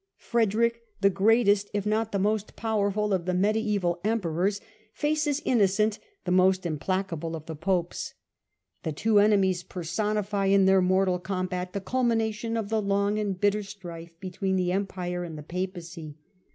Frederick, the greatest if not the most power ful of the Mediaeval Emperors, faces Innocent, the most implacable of the Popes. The two enemies personify in their mortal combat the culmination of the long and bitter strife between the Empire and the Papacy.